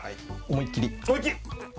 思いっ切り！